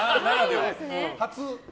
初？